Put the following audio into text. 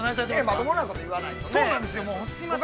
◆まともなことを言わないとですよね。